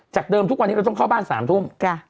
เดิมทุกวันนี้เราต้องเข้าบ้าน๓ทุ่ม